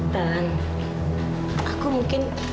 tan aku mungkin